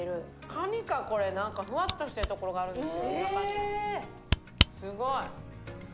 かにかこれ、何かふわっとしているところがあるんです。